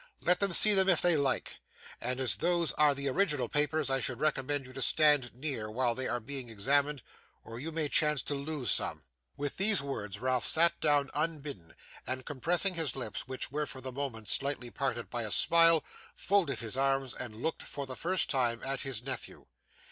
'Let them see them if they like; and as those are the original papers, I should recommend you to stand near while they are being examined, or you may chance to lose some.' With these words Ralph sat down unbidden, and compressing his lips, which were for the moment slightly parted by a smile, folded his arms, and looked for the first time at his nephew.